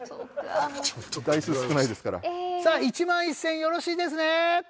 さあ１万１０００円よろしいですね？